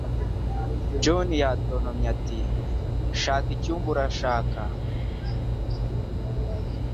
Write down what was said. John yatontomye ati: "Shaka icyumba, urashaka?"